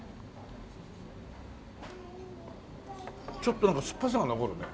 ちょっとなんか酸っぱさが残るね。